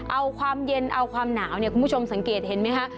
เอาความเย็นเอาความหนาวเนี่ยคุณผู้ชมสังเกตเห็นไหมคะ